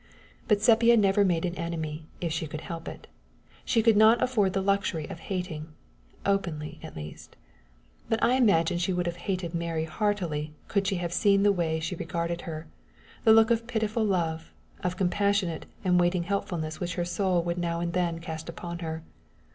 But Sepia never made an enemy if she could help it. She could not afford the luxury of hating openly, at least. But I imagine she would have hated Mary heartily could she have seen the way she regarded her the look of pitiful love, of compassionate and waiting helpfulness which her soul would now and then cast upon her.